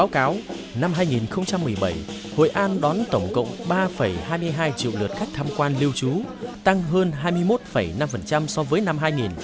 cộng ba hai mươi hai triệu lượt khách tham quan lưu trú tăng hơn hai mươi một năm so với năm hai nghìn một mươi sáu